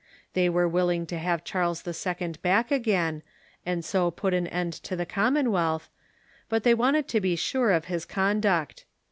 They were willing to have Charles II. back again, and so put an end to the Common wealth, but they wanted to be sure of his conduct.